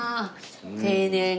丁寧に。